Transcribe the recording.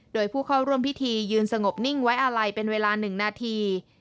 โดยผู้เข้าร่วมพิธียืนสงบนิ่งไว้อาลัยเป็นเวลา๑นาที